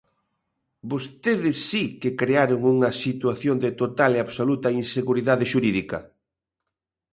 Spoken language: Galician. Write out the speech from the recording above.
Vostedes si que crearon unha situación de total e absoluta inseguridade xurídica.